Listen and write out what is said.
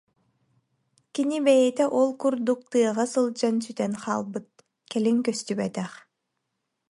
Кини бэйэтэ ол курдук тыаҕа сылдьан сүтэн хаалбыт, кэлин көстүбэтэх